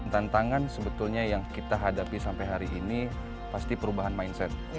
tantangan sebetulnya yang kita hadapi sampai hari ini pasti perubahan mindset